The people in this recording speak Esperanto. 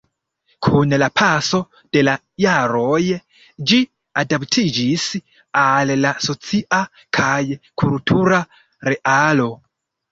Kun la paso de la jaroj ĝi adaptiĝis al la socia kaj kultura realo.